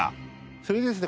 それでですね